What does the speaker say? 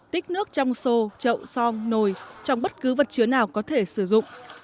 tích nước trong xô chậu song nồi trong bất cứ vật chứa nào có thể sử dụng